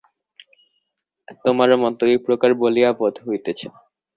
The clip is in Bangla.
তোমারও মত ঐ প্রকার বলিয়া বোধ হইতেছে।